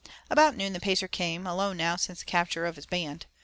About noon the Pacer came, alone now since the capture of his band.